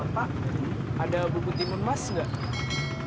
pak ada buku timun emas gak